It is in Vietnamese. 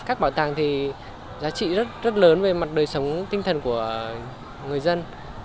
các bảo tàng thì giá trị rất lớn về mặt đời sống tinh thần của người dân